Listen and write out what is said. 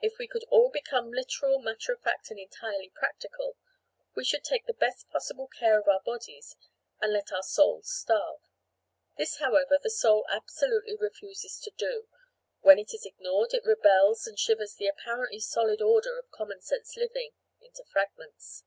If we could all become literal, matter of fact and entirely practical, we should take the best possible care of our bodies and let our souls starve. This, however, the soul absolutely refuses to do; when it is ignored it rebels and shivers the apparently solid order of common sense living into fragments.